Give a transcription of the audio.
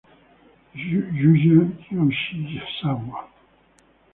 Yuya Yoshizawa